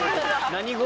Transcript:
何語？